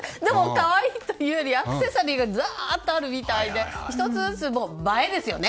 カワイイというよりアクセサリーがだーっとあるみたいで１つずつ、映えですよね